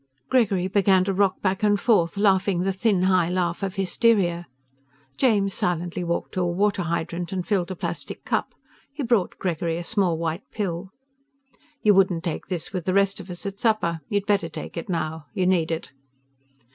Gregory began to rock back and forth, laughing the thin high laugh of hysteria. James silently walked to a water hydrant and filled a plastic cup. He brought Gregory a small white pill. "You wouldn't take this with the rest of us at supper. You'd better take it now. You need it."